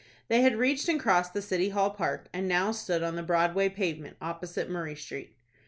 They had reached and crossed the City Hall Park, and now stood on the Broadway pavement, opposite Murray Street.